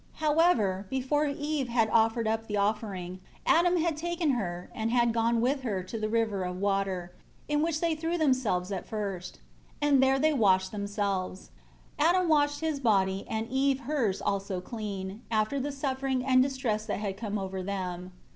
8 However, before Eve had offered up the offering, Adam had taken her, and had gone with her to the river of water, in which they threw themselves at first; and there they washed themselves. Adam washed his body and Eve hers also clean, after the suffering and distress that had come over them.